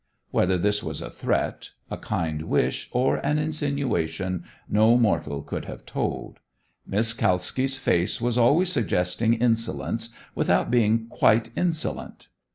Whether this was a threat, a kind wish, or an insinuation, no mortal could have told. Miss Kalski's face was always suggesting insolence without being quite insolent.